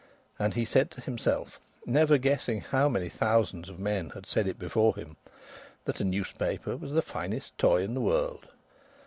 And he said to himself, never guessing how many thousands of men had said it before him, that a newspaper was the finest toy in the world.